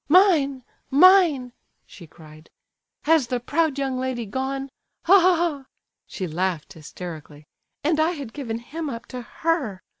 "Mine, mine!" she cried. "Has the proud young lady gone? Ha, ha, ha!" she laughed hysterically. "And I had given him up to her!